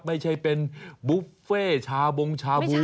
ไม่ใช่เป็นบุฟเฟ่ชาบงชาบู